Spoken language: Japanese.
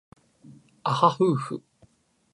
あはふうふ